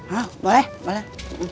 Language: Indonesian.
hah boleh boleh